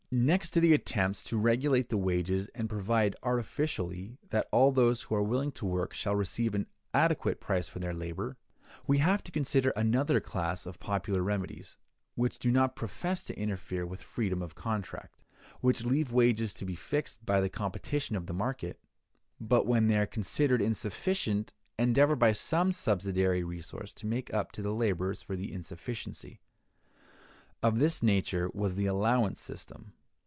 Next to the attempts to regulate wages, and provide artificially that all who are willing to work shall receive an adequate price for their labor, we have to consider another class of popular remedies, which do not profess to interfere with freedom of contract; which leave wages to be fixed by the competition of the market, but, when they are considered insufficient, endeavor by some subsidiary resource to make up to the laborers for the insufficiency. Of this nature was the allowance system.